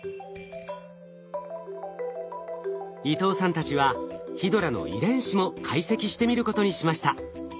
伊藤さんたちはヒドラの遺伝子も解析してみることにしました。